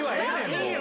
いいよ！